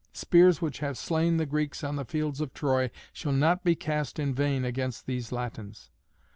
Spears which have slain the Greeks on the fields of Troy shall not be cast in vain against these Latins."